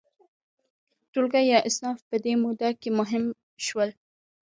ټولګي یا اصناف په دې موده کې مهم شول.